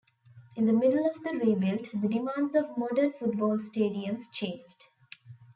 In the middle of the rebuild, the demands of modern football stadiums changed.